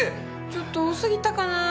ちょっと多過ぎたかな。